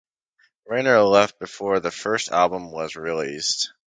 Rayner left before the first album was released.